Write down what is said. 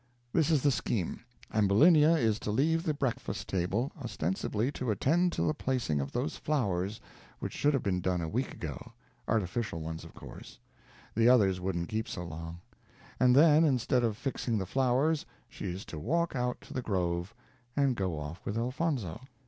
This is the scheme. Ambulinia is to leave the breakfast table, ostensibly to "attend to the placing of those flowers, which should have been done a week ago" artificial ones, of course; the others wouldn't keep so long and then, instead of fixing the flowers, she is to walk out to the grove, and go off with Elfonzo.